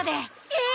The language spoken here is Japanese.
え？